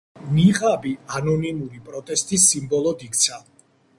ნიღაბი ანონიმური პროტესტის სიმბოლოდ იქცა.